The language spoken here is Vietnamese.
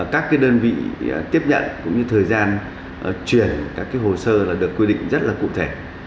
các cái đơn vị tiếp nhận cũng như thời gian truyền các cái hồ sơ là được quy định rất là cụ thể